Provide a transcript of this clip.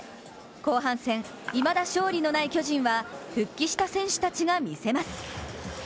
後半戦、いまだ勝利のない巨人は復帰した選手たちが見せます。